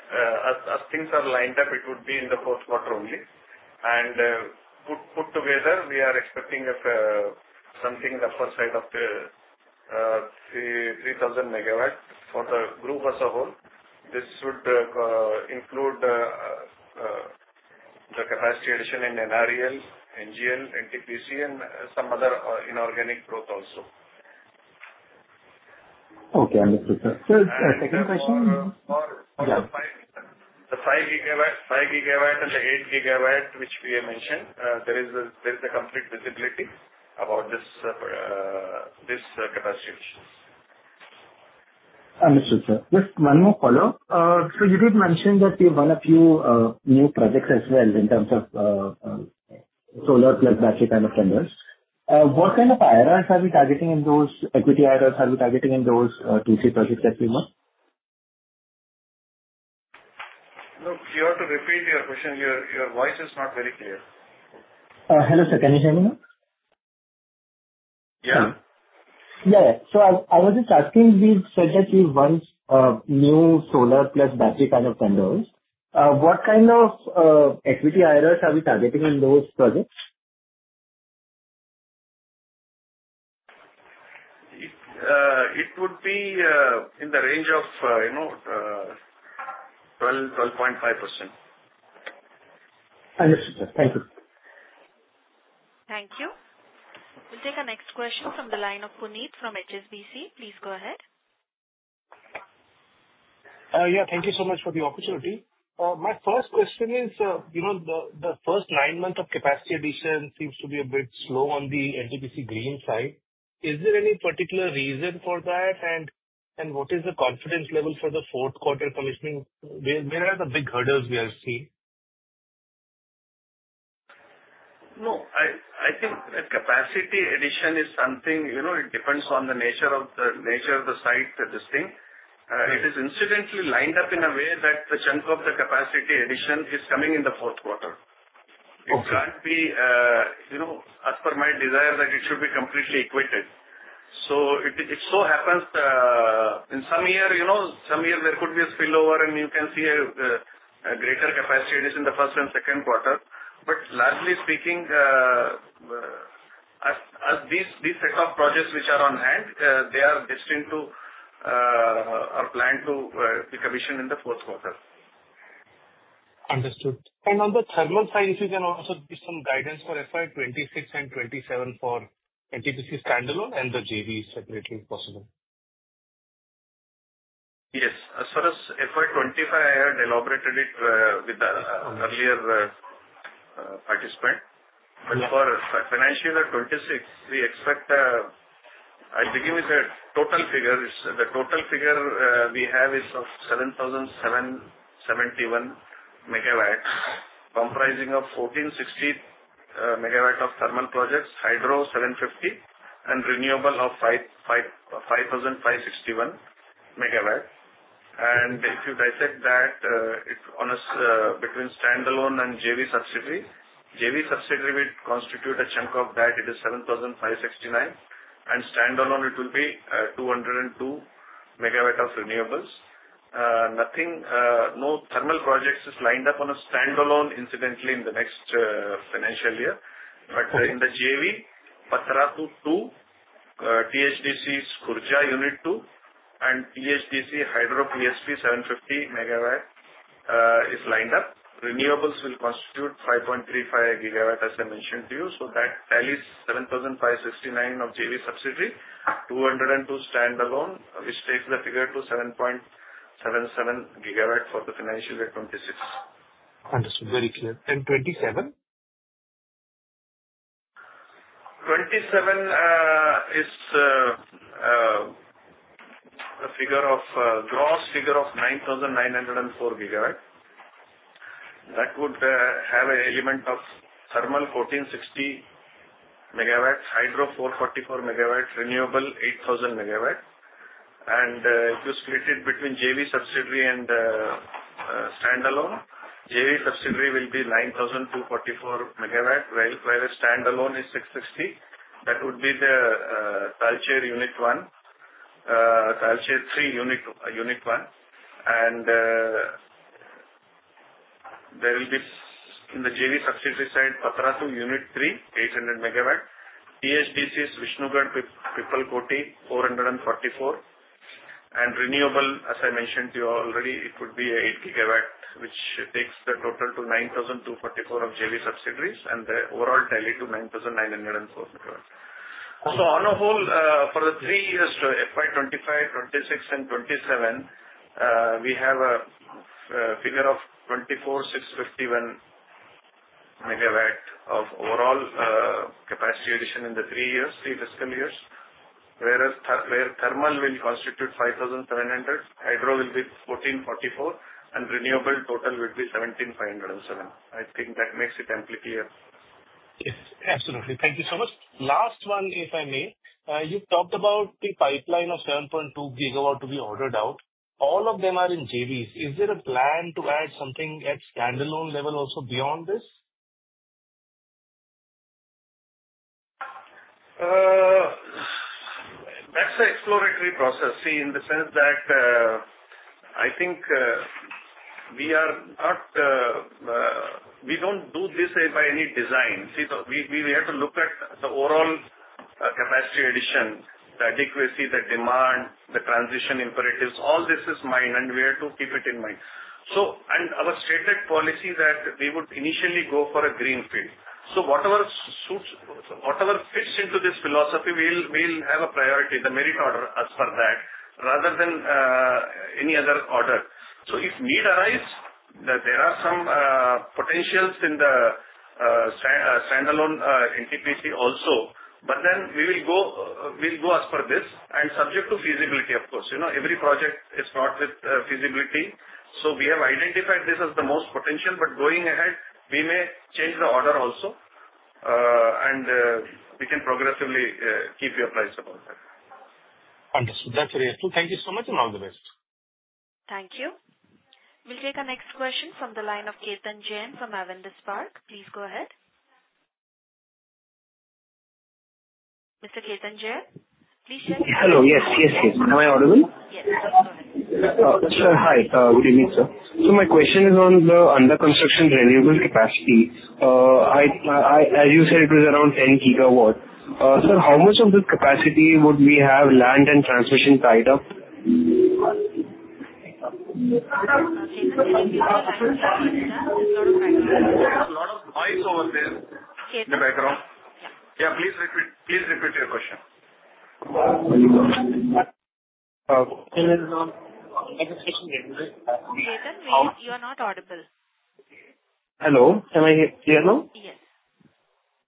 Speaker 3: as things are lined up, it would be in the fourth quarter only, and put together, we are expecting something upper side of the 3,000 MW for the group as a whole. This would include the capacity addition in NREL, NGEL, NTPC, and some other inorganic growth also.
Speaker 6: Okay. Understood, sir. Sir, second question?
Speaker 3: Yeah. The 5 GW and the 8 GW, which we have mentioned, there is a complete visibility about this capacity addition.
Speaker 6: Understood, sir. Just one more follow-up. So you did mention that you have one or two new projects as well in terms of solar plus battery kind of tenders. What kind of IRRs are we targeting in those equity IRRs? Are we targeting in those two or three projects that we want?
Speaker 3: Look, you have to repeat your question. Your voice is not very clear.
Speaker 6: Hello, sir. Can you hear me now?
Speaker 3: Yeah.
Speaker 6: So I was just asking, we said that you want new solar plus battery kind of tenders. What kind of equity IRRs are we targeting in those projects?
Speaker 3: It would be in the range of 12.5%.
Speaker 6: Understood, sir. Thank you.
Speaker 1: Thank you. We'll take our next question from the line of Puneet from HSBC. Please go ahead.
Speaker 7: Yeah. Thank you so much for the opportunity. My first question is, the first nine months of capacity addition seems to be a bit slow on the NTPC Green side. Is there any particular reason for that? And what is the confidence level for the fourth quarter commissioning? Where are the big hurdles we are seeing?
Speaker 3: No. I think capacity addition is something it depends on the nature of the site, the listing. It is incidentally lined up in a way that the chunk of the capacity addition is coming in the fourth quarter. It can't be, as per my desire, that it should be completely equated. So it so happens in some year, some year there could be a spillover, and you can see a greater capacity addition in the first and second quarter. But largely speaking, these set of projects which are on hand, they are destined to or planned to be commissioned in the fourth quarter.
Speaker 7: Understood. And on the thermal side, if you can also give some guidance for FY 2026 and 2027 for NTPC standalone and the JV separately if possible?
Speaker 3: Yes. As far as FY 2025, I had elaborated it with the earlier participant. But for financial year 2026, we expect I'll give you a total figure. The total figure we have is of 7,771 MW, comprising of 1,460 MW of thermal projects, hydro 750, and renewable of 5,561 MW. And if you dissect that between standalone and JV subsidiary, JV subsidiary would constitute a chunk of that. It is 7,569. And standalone, it will be 202 MW of renewables. No thermal projects is lined up on a standalone incidentally in the next financial year. But in the JV, Barh to two, THDC Khurja unit two, and THDC hydro PSP 750 MW is lined up. Renewables will constitute 5.35 GW, as I mentioned to you. So that tally is 7,569 of JV subsidiary, 202 standalone, which takes the figure to 7.77 GW for the financial year 2026.
Speaker 7: Understood. Very clear. And 2027?
Speaker 3: 2027 is a gross figure of 9,904 GW. That would have an element of thermal 1,460 MW, hydro 444 MW, renewable 8,000 MW. And if you split it between JV subsidiary and standalone, JV subsidiary will be 9,244 MW, while standalone is 660. That would be the Talcher unit one, Talcher three unit one. And there will be in the JV subsidiary side, Barh to unit three, 800 MW. THDC is Vishnugarh Pipalkoti 444. Renewable, as I mentioned to you already, it would be eight GW, which takes the total to 9,244 of JV subsidiaries and the overall tally to 9,904 MW. So on a whole, for the three years, FY25, 2026, and 2027, we have a figure of 24,651 MW of overall capacity addition in the three years, three fiscal years, where thermal will constitute 5,700, hydro will be 1,444, and renewable total would be 17,507. I think that makes it amply clear.
Speaker 7: Yes. Absolutely. Thank you so much. Last one, if I may. You talked about the pipeline of 7.2 GW to be ordered out. All of them are in JVs. Is there a plan to add something at standalone level also beyond this?
Speaker 3: That's an exploratory process. See, in the sense that I think we don't do this by any design. See, we have to look at the overall capacity addition, the adequacy, the demand, the transition imperatives. All this in mind, and we have to keep it in mind, and our stated policy that we would initially go for a Greenfield. So whatever fits into this philosophy, we'll have a priority, the merit order as per that, rather than any other order, so if need arises, there are some potentials in the standalone NTPC also. But then we will go as per this and subject to feasibility, of course. Every project is not with feasibility, so we have identified this as the most potential, but going ahead, we may change the order also, and we can progressively keep you apprised about that.
Speaker 7: Understood. That's very helpful. Thank you so much and all the best. Thank you.
Speaker 1: We'll take our next question from the line of Ketan Jain from Avendus Spark. Please go ahead. Mr. Ketan Jain, please share your question.
Speaker 8: Hello. Yes, yes, yes. Am I audible?
Speaker 1: Yes. Go ahead.
Speaker 8: Sir, hi. Good evening, sir. So my question is on the under-construction renewable capacity. As you said, it was around 10 GW. Sir, how much of this capacity would we have land and transmission tied up? A lot of noise over there in the background.
Speaker 3: Yeah, please repeat your question.
Speaker 1: Ketan, you are not audible.
Speaker 8: Hello. Can you hear me now? Yes.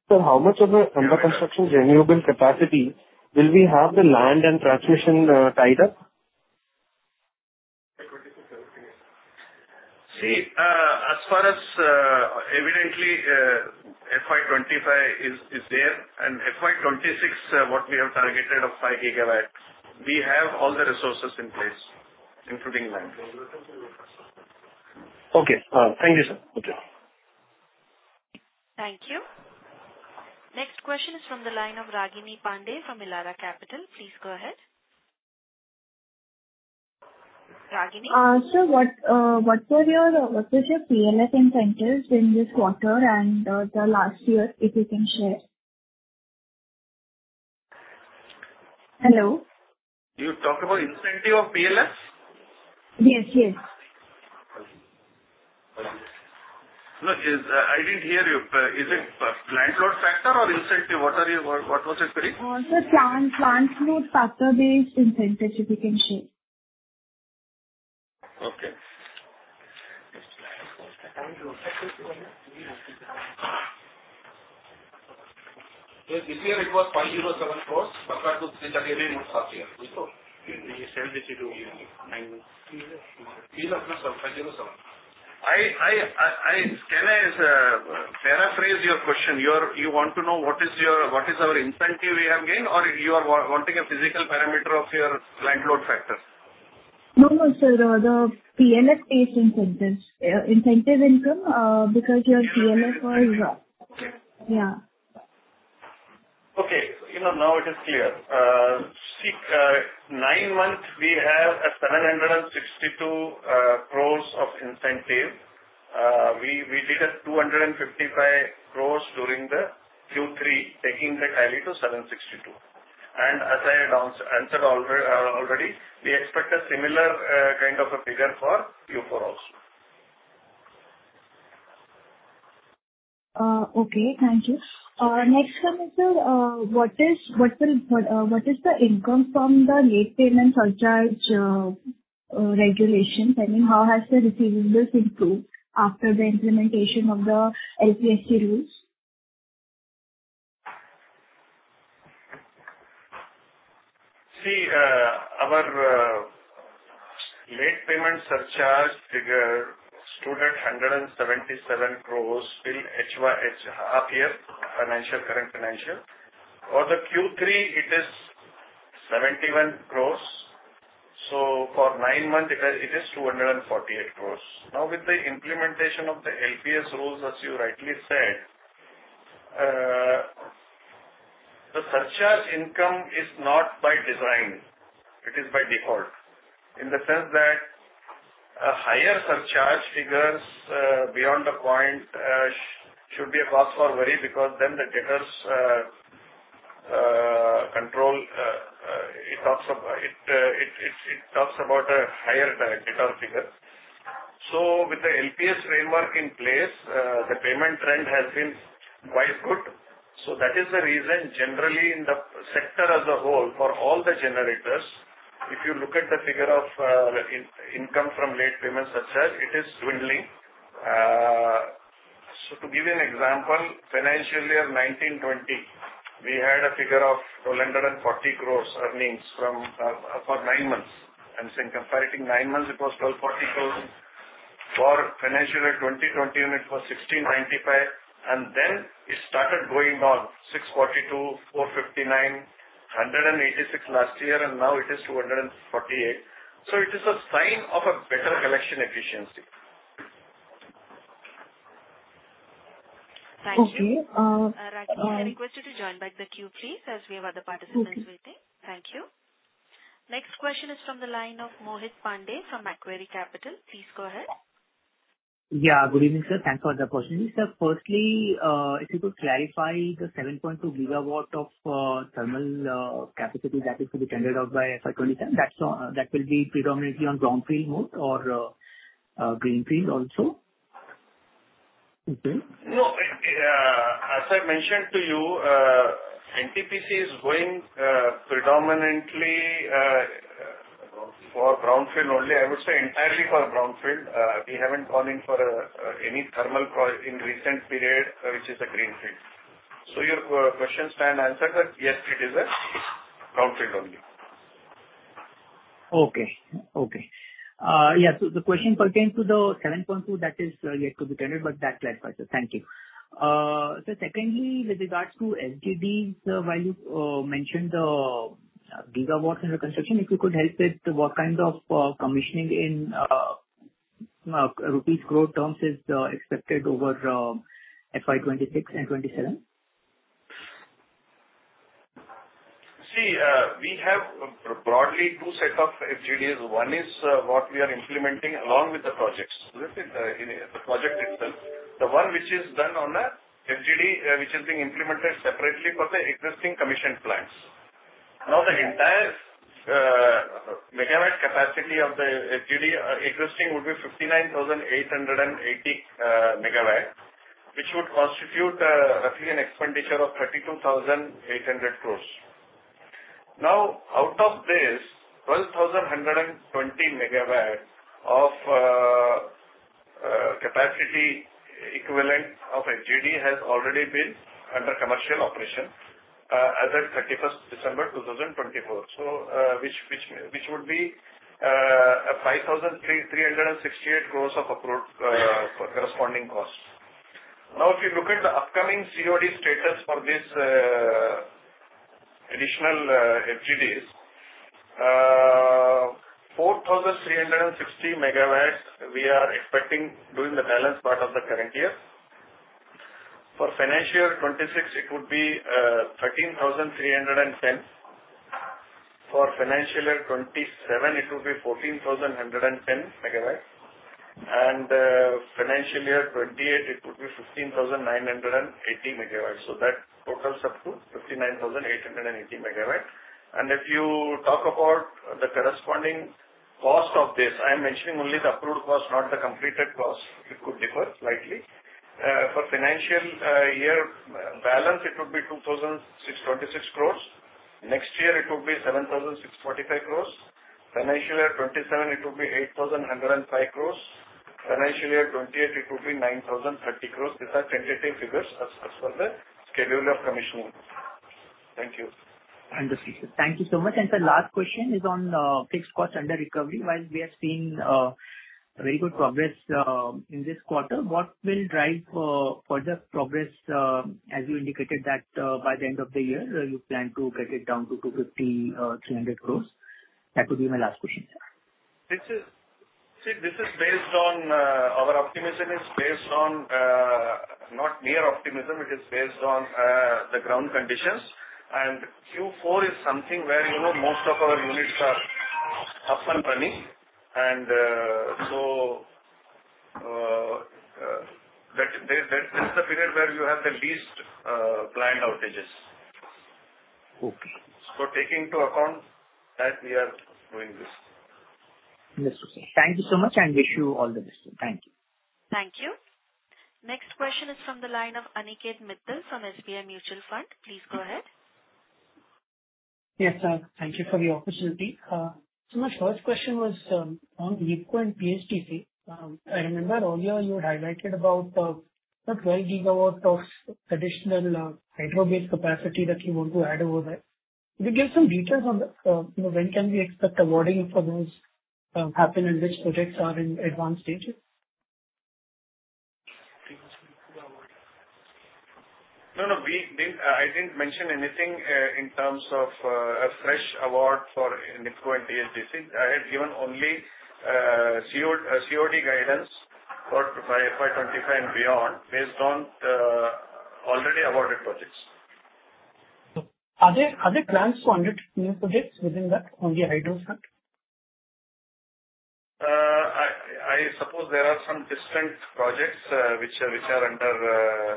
Speaker 8: Sir, how much of the under-construction renewable capacity will we have the land and transmission tied up?
Speaker 3: See, as far as evidently, FY25 is there. And FY26, what we have targeted of 5 GW, we have all the resources in place, including land.
Speaker 8: Okay. Thank you, sir.
Speaker 3: Okay.
Speaker 1: Thank you. Next question is from the line of Ragini Pande from Elara Capital. Please go ahead. Ragini?
Speaker 9: Sir, what was your PLF incentives in this quarter and the last year, if you can share? Hello?
Speaker 3: You talked about incentive of PLF?
Speaker 9: Yes, yes.
Speaker 3: No, I didn't hear you. Is it plant load factor or incentive? What was it, Puneet?
Speaker 9: Sir, plant load factor-based incentives, if you can share.
Speaker 3: Okay. This year, it was INR 507 crores compared to previous year's rewards last year. We sell this to PLF, sir, 507. Can I paraphrase your question? You want to know what is our incentive we have gained, or you are wanting a physical parameter of your plant load factor?
Speaker 9: No, no, sir. The PLF-based incentive income because your PLF was yeah.
Speaker 3: Okay. Now it is clear. See, nine months, we have 762 crores of incentive. We did 255 crores during the Q3, taking the tally to 762. As I had answered already, we expect a similar kind of a figure for Q4 also.
Speaker 9: Okay. Thank you. Next question, sir. What is the income from the late payment surcharge regulations? I mean, how has the receivables improved after the implementation of the LPSC rules?
Speaker 3: See, our late payment surcharge figure stood at 177 crores till H1, half year, current financial. For the Q3, it is 71 crores. So for nine months, it is 248 crores. Now, with the implementation of the LPSC rules, as you rightly said, the surcharge income is not by design. It is by default. In the sense that higher surcharge figures beyond the point should be a cause for worry because then the debtors control, it talks about a higher debtor figure. So with the LPS framework in place, the payment trend has been quite good. So that is the reason generally in the sector as a whole for all the generators, if you look at the figure of income from late payment surcharge, it is dwindling. So to give you an example, financial year 2019-20, we had a figure of 1,240 crores earnings for nine months. And since comparing nine months, it was 1,240 crores. For financial year 2020-21, it was 1,695. And then it started going down, 642, 459, 186 last year, and now it is 248. So it is a sign of a better collection efficiency.
Speaker 1: Thank you. Ragini, I request you to join back the queue, please, as we have other participants waiting. Thank you. Next question is from the line of Mohit Pandey from Macquarie Capital. Please go ahead.
Speaker 10: Yeah. Good evening, sir. Thanks for the opportunity. Sir, firstly, if you could clarify the 7.2 GW of thermal capacity that is to be tendered out by FY 2027, that will be predominantly on brownfield mode or greenfield also?
Speaker 3: Okay. No, as I mentioned to you, NTPC is going predominantly for brownfield only. I would say entirely for brownfield. We haven't gone in for any thermal in recent period, which is a greenfield. So your question stands answered that yes, it is a brownfield only.
Speaker 10: Okay. Okay. Yeah. So the question pertains to the 7.2 that is yet to be tendered, but that's clarified. Thank you. So secondly, with regards to SOx, while you mentioned the GW in the construction, if you could help with what kind of commissioning in rupees gross terms is expected over FY 2026 and 2027?
Speaker 3: See, we have broadly two sets of FGDs. One is what we are implementing along with the projects. So this is the project itself. The one which is done on the FGD, which is being implemented separately for the existing commissioned plants. Now, the entire MW capacity of the FGD existing would be 59,880 MW, which would constitute roughly an expenditure of 32,800 crores. Now, out of this, 12,120 MW of capacity equivalent of FGD has already been under commercial operation as of 31st December 2024, which would be 5,368 crores of corresponding costs. Now, if you look at the upcoming COD status for this additional FGDs, 4,360 MW we are expecting during the balance part of the current year. For financial year 2026, it would be 13,310. For financial year 2027, it would be 14,110 MW. And financial year 2028, it would be 15,980 MW. So that totals up to 59,880 MW. If you talk about the corresponding cost of this, I am mentioning only the approved cost, not the completed cost. It could differ slightly. For financial year balance, it would be 2,626 crores. Next year, it would be 7,645 crores. Financial year 2027, it would be 8,105 crores. Financial year 2028, it would be 9,030 crores. These are tentative figures as per the schedule of commissioning.
Speaker 10: Thank you. Understood. Thank you so much. And the last question is on fixed cost under recovery. While we have seen very good progress in this quarter, what will drive further progress as you indicated that by the end of the year, you plan to get it down to 250-300 crores? That would be my last question, sir.
Speaker 3: See, this is based on our optimism, not mere optimism. It is based on the ground conditions. Q4 is something where most of our units are up and running. And so this is the period where you have the least plant outages. So taking into account that, we are doing this.
Speaker 10: Understood. Thank you so much and wish you all the best. Thank you.
Speaker 1: Thank you. Next question is from the line of Aniket Mittal from SBI Mutual Fund. Please go ahead.
Speaker 11: Yes, sir. Thank you for the opportunity. So my first question was on NHPC and THDC. I remember earlier you had highlighted about 12 GW of additional hydro-based capacity that you want to add over there. Could you give some details on when can we expect awarding for those happen and which projects are in advanced stages?
Speaker 3: No, no. I didn't mention anything in terms of a fresh award for NIPCO and THDC. I had given only COD guidance for FY25 and beyond based on already awarded projects.
Speaker 11: Are there plans to undertake new projects within that, only hydro front?
Speaker 3: I suppose there are some distant projects which are under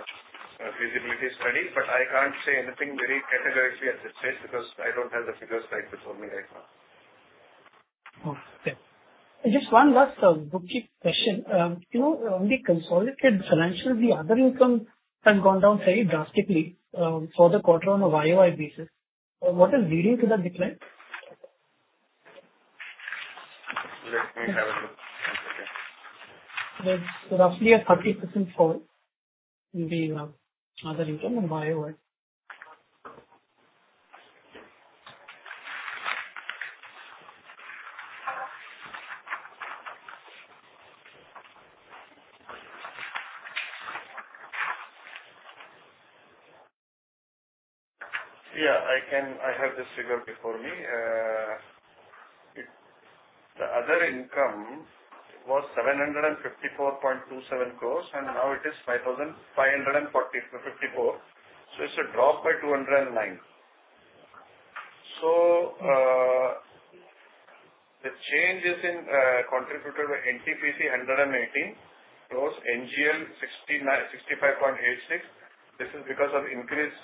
Speaker 3: feasibility study, but I can't say anything very categorically at this stage because I don't have the figures right before me right now.
Speaker 11: Okay. Just one last bookkeeping question. On the consolidated financials, the other income has gone down very drastically for the quarter on a YoY basis. What is leading to that decline? Let me have a look. It's roughly a 30% fall in the other income on YoY.
Speaker 3: Yeah. I have this figure before me. The other income was 754.27 crores, and now it is 5,554. So it's a drop by 209. So the change is contributed by NTPC 118 crores, NGEL 65.86. This is because of increase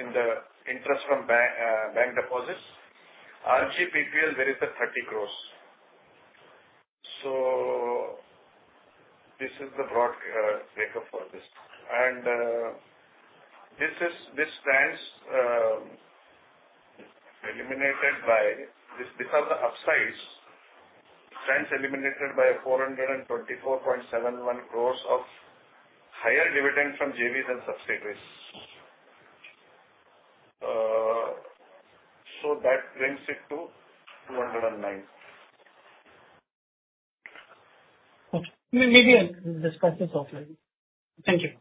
Speaker 3: in the interest from bank deposits. RGPPL, there is 30 crores. So this is the broad breakup for this. And this stands eliminated by these are the upsides. It stands eliminated by 424.71 crores of higher dividend from JVs and subsidiaries. So that brings it to 209.
Speaker 11: Okay. Maybe I'll discuss this offline. Thank you.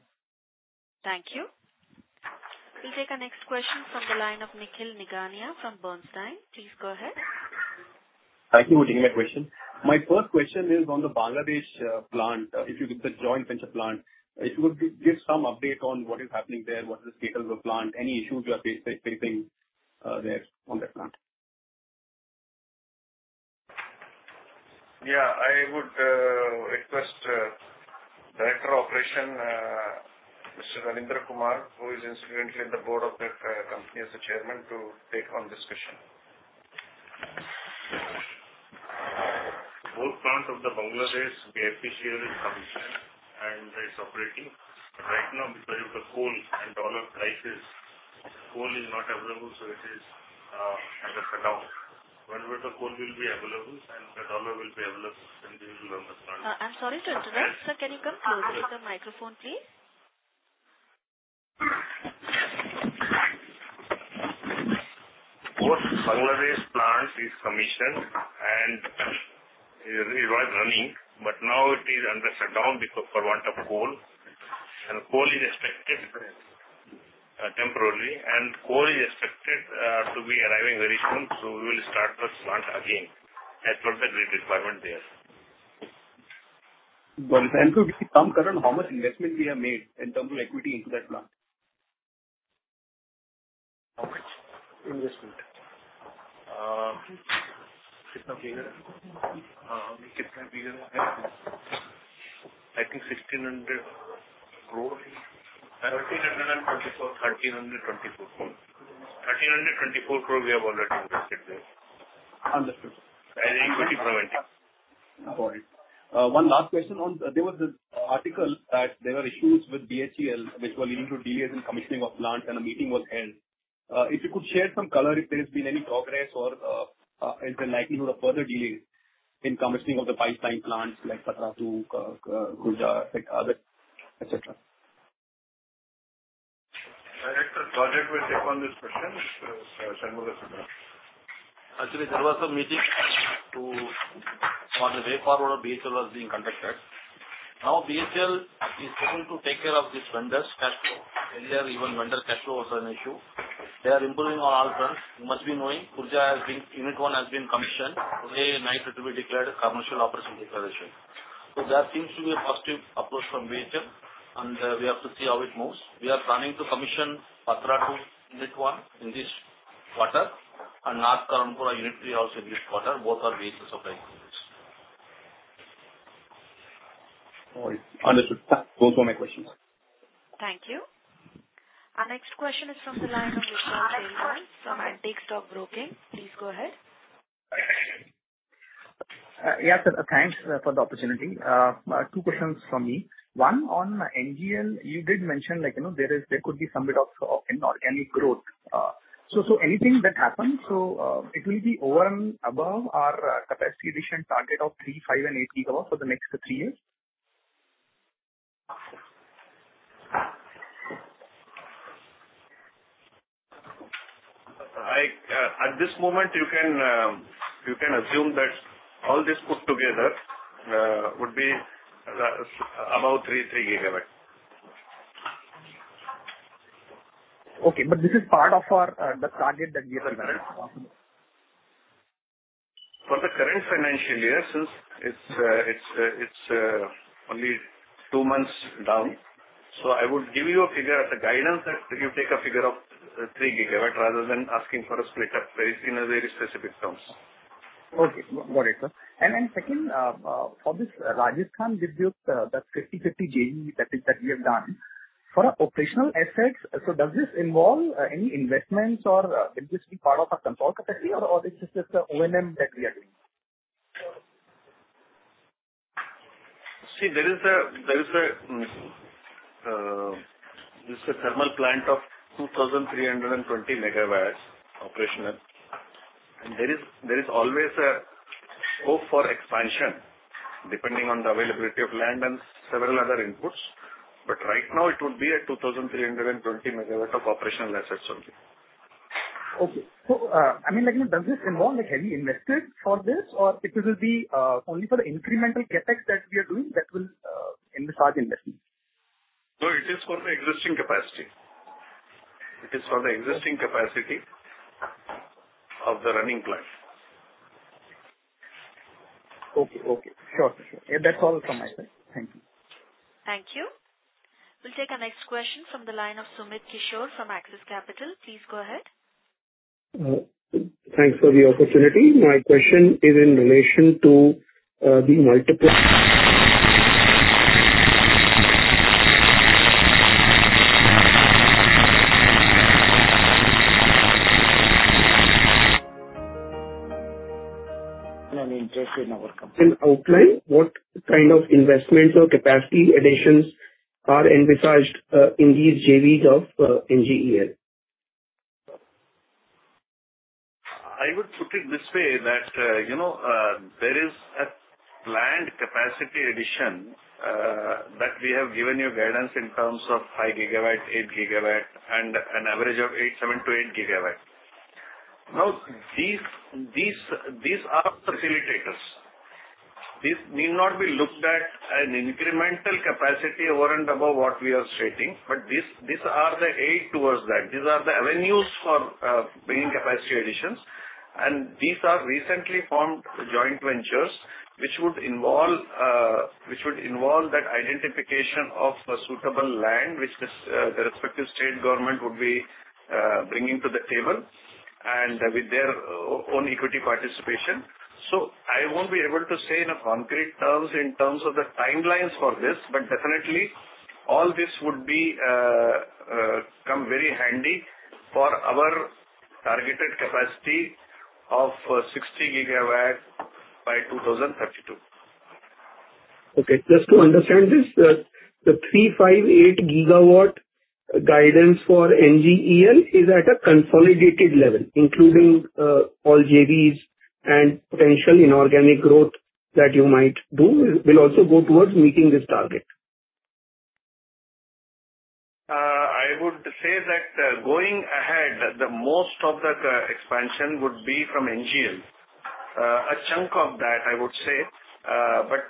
Speaker 1: Thank you. We'll take a next question from the line of Nikhil Nigania from Bernstein. Please go ahead.
Speaker 12: Thank you for taking my question. My first question is on the Bangladesh plant, if you did the joint venture plant, if you could give some update on what is happening there, what is the status of the plant, any issues you are facing there on that plant.
Speaker 3: Yeah. I would request Director of Operations, Mr. Ravindra Kumar, who is incidentally in the board of the company as the chairman, to take on this question.
Speaker 13: Both plants of the Bangladesh BIFPCL comes in and is operating. But right now, because of the coal and dollar crisis, coal is not available, so it is at a shutdown. Whenever the coal will be available and the dollar will be available, then we will understand.
Speaker 1: I'm sorry to interrupt. Sir, can you come closer to the microphone, please?
Speaker 13: Both Bangladesh plants are commissioned and are running, but now it is under shutdown because of the want of coal. And coal is expected temporarily, and coal is expected to be arriving very soon, so we will start the plant again as per the requirement there.
Speaker 12: But if I'm to give you some context, how much investment we have made in terms of equity into that plant? How much investment?
Speaker 13: I think 1,600 crores. 1,324, 1,324. 1,324 crores we have already invested there.
Speaker 12: Understood. I think it will be prevented. Sorry. One last question. There was an article that there were issues with BHEL, which were leading to delays in commissioning of plants, and a meeting was held. If you could share some color if there has been any progress or is there likelihood of further delays in commissioning of the pipeline plants like Patratu, Khurja, etc.?
Speaker 3: Director Projects will take on this question.
Speaker 14: Actually, there was a meeting on the way forward of BHEL was being conducted. Now, BHEL is able to take care of these vendors' cash flow. Earlier, even vendor cash flow was an issue. They are improving on all fronts. You must be knowing, Khurja has been unit one has been commissioned. Tonight, it will be declared commercial operation declaration. So that seems to be a positive approach from BHEL, and we have to see how it moves. We are planning to commission Patratu unit one in this quarter and North Karanpura unit three also in this quarter. Both are BHEL supply companies.
Speaker 12: Understood. Those were my questions.
Speaker 1: Thank you. Our next question is from the line of Richard D'Souza from Antique Stock Broking. Please go ahead.
Speaker 15: Yes, sir. Thanks for the opportunity. Two questions from me. One on NGEL. You did mention there could be some bit of inorganic growth. So anything that happens, so it will be over and above our capacity addition target of three, five, and eight GW for the next three years?
Speaker 3: At this moment, you can assume that all this put together would be about 33 GW. Okay. But this is part of the target that we have to manage. For the current financial year, since it's only two months down, so I would give you a figure as a guidance that you take a figure of 3 GW rather than asking for a split-up in very specific terms.
Speaker 15: Okay. Got it, sir. And then second, for this Rajasthan project, that 50-50 JV that we have done, for operational assets, so does this involve any investments or will this be part of a consolidated capacity, or is this just the O&M that we are doing?
Speaker 3: See, there is a thermal plant of 2,320 MW operational. And there is always a hope for expansion depending on the availability of land and several other inputs. But right now, it would be a 2,320 MW of operational assets only.
Speaker 15: Okay. So I mean, does this involve heavy investment for this, or it will be only for the incremental CapEx that we are doing that will envisage investment?
Speaker 3: No, it is for the existing capacity. It is for the existing capacity of the running plant.
Speaker 15: Okay. Okay. Sure. Sure. That's all from my side. Thank you.
Speaker 1: Thank you. We'll take a next question from the line of Sumit Kishore from Axis Capital. Please go ahead.
Speaker 16: Thanks for the opportunity. My question is in relation to the multiple. And I mean, just in our company. In outline, what kind of investments or capacity additions are envisaged in these JVs of NGEL?
Speaker 3: I would put it this way that there is a planned capacity addition that we have given you guidance in terms of five GW, eight GW, and an average of seven to eight GW. Now, these are facilitators. These need not be looked at as incremental capacity over and above what we are stating, but these are the aid towards that. These are the avenues for bringing capacity additions, and these are recently formed joint ventures, which would involve that identification of suitable land, which the respective state government would be bringing to the table and with their own equity participation, so I won't be able to say in concrete terms in terms of the timelines for this, but definitely, all this would come very handy for our targeted capacity of 60 GW by 2032.
Speaker 16: Okay. Just to understand this, the 3 GW, 5 GW, 8 GW guidance for NGEL is at a consolidated level, including all JVs and potential inorganic growth that you might do. Will also go towards meeting this target?
Speaker 3: I would say that going ahead, most of the expansion would be from NGEL. A chunk of that, I would say, but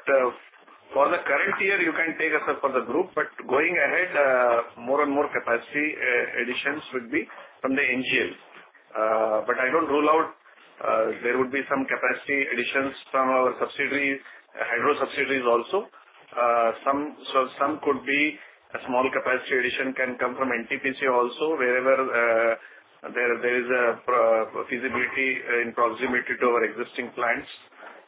Speaker 3: for the current year, you can take us up for the group. Going ahead, more and more capacity additions would be from the NGEL. I don't rule out there would be some capacity additions from our hydro subsidiaries also, so some could be a small capacity addition can come from NTPC also, wherever there is a feasibility in proximity to our existing plants.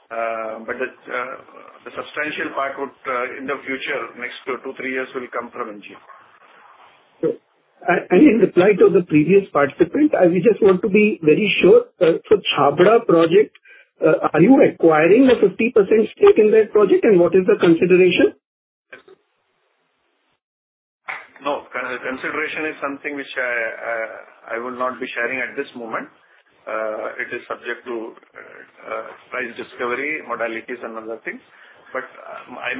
Speaker 3: The substantial part would, in the future, next two, three years, will come from NGEL.
Speaker 16: I mean, in the light of the previous participant, I just want to be very sure. So Chhabra project, are you acquiring a 50% stake in that project, and what is the consideration?
Speaker 3: No. Consideration is something which I will not be sharing at this moment. It is subject to price discovery, modalities, and other things. But I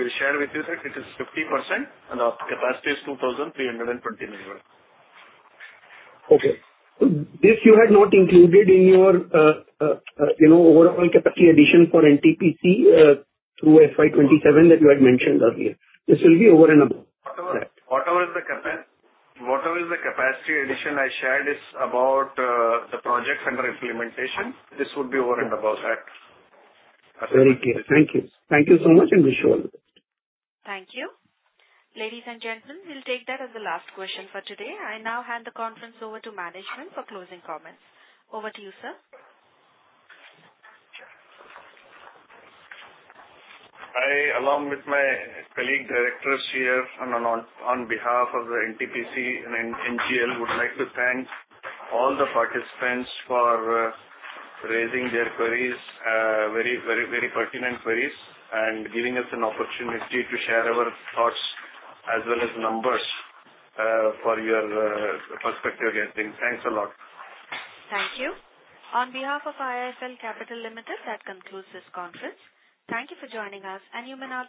Speaker 3: will share with you that it is 50%, and the capacity is 2,320 MW.
Speaker 16: Okay. This you had not included in your overall capacity addition for NTPC through FY27 that you had mentioned earlier. This will be over and above that.
Speaker 3: Whatever is the capacity addition I shared is about the project under implementation. This would be over and above that.
Speaker 16: Very clear. Thank you. Thank you so much, and wish you all the best.
Speaker 1: Thank you. Ladies and gentlemen, we'll take that as the last question for today. I now hand the conference over to management for closing comments. Over to you, sir.
Speaker 3: I, along with my colleague directors here, and on behalf of the NTPC and NGEL, would like to thank all the participants for raising their queries, very pertinent queries, and giving us an opportunity to share our thoughts as well as numbers for your perspective getting. Thanks a lot.
Speaker 1: Thank you. On behalf of IIFL Capital Limited, that concludes this conference. Thank you for joining us, and you may now.